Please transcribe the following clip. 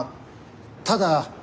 ただ。